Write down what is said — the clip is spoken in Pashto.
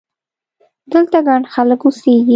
دلته ګڼ خلک اوسېږي!